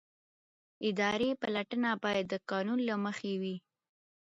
اداري پلټنه باید د قانون له مخې وي.